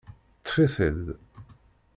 Ṭṭfit-id.